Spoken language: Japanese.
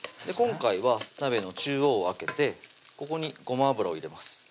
今回は鍋の中央開けてここにごま油を入れます